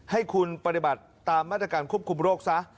ให้คุณปฏิบัติตามมาตรการควบคุมโรคซะ